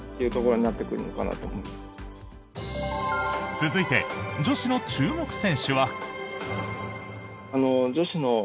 続いて女子の注目選手は。